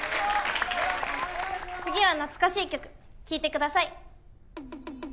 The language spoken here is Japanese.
次は懐かしい曲聴いてください。